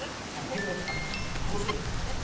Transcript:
ヘルメットかぶって好青年だからね